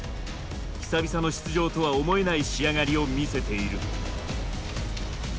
久々の出場とは思えない仕上がりを見せている。